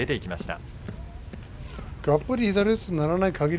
がっぷり